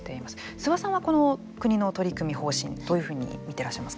諏訪さんはこの国の取り組み方針どういうふうに見ていらっしゃいますか。